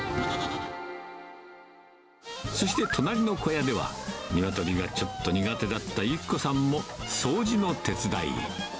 そして隣の小屋では、ニワトリがちょっと苦手だった由希子さんも、掃除の手伝い。